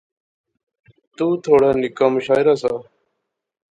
تو تھوڑا نکا مشاعرہ سا